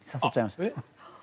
えっ？